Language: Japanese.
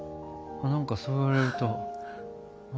何かそう言われるとあ。